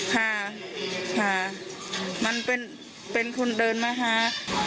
หาหามันเป็นเป็นคุณเดินมาหา